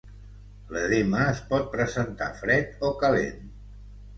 L'edema es pot presentar fred o calent.